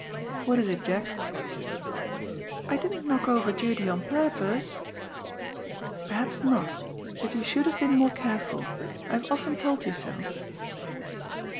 "What is it. Jack?" " I didn't knock over Judy on purpose." " Perhaps not But you should have been more careful. I have often told you so."